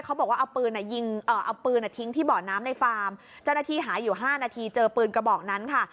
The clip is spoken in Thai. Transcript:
เขาบอกว่าเอาปืนยิงเอาปืนทิ้งที่เบาะน้ำในฟาร์มเจ้าหน้าที่หาอยู่๕นาทีเจอปืนกระบอกนั้นค่ะ